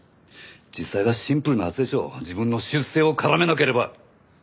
実際はシンプルなはずでしょ自分の出世を絡めなければ！